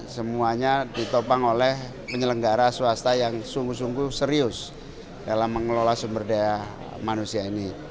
semuanya ditopang oleh penyelenggara swasta yang sungguh sungguh serius dalam mengelola sumber daya manusia ini